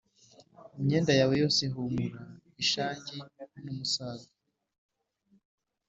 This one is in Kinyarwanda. Imyenda yawe yose ihumura ishangi n umusaga